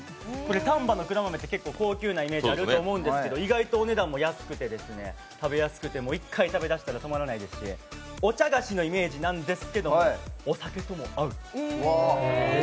丹波の黒豆って高級なイメージあると思うんですけど意外とお値段も安くて食べやすくて、一回食べたしたら止まらないですし、お茶菓子のイメージなんですが、お酒とも合う！